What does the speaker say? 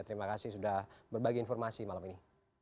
terima kasih sudah berbagi informasi malam ini